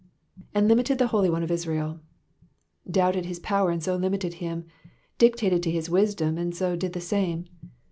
^^And limited the Holy One of IsraeU^ Doubted his power and so limited him, dictated to his wisdom and so did the same.